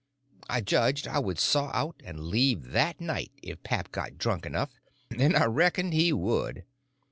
I judged I would saw out and leave that night if pap got drunk enough, and I reckoned he would.